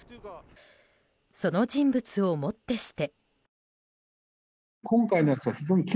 その人物をもってして。